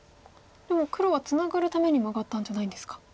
でも黒はツナがるためにマガったんじゃないんですか。